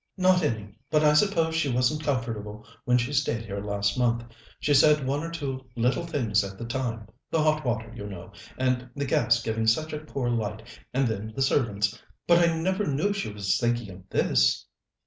"Not any. But I suppose she wasn't comfortable when she stayed here last month. She said one or two little things at the time the hot water, you know, and the gas giving such a poor light, and then the servants. But I never knew she was thinking of this."